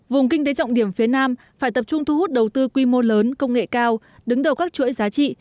vùng kinh tế trọng điểm phía nam phải tập trung thu hút đầu tư quy mô lớn công nghệ cao đứng đầu các chuỗi giá trị